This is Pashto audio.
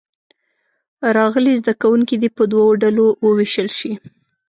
راغلي زده کوونکي دې په دوو ډلو ووېشل شي.